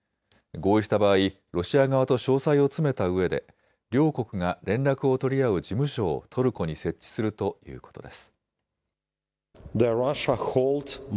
合意した場合、ロシア側と詳細を詰めたうえで両国が連絡を取り合う事務所をトルコに設置するということです。